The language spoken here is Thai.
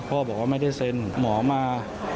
บอกว่าไม่ได้เซ็นหมอมา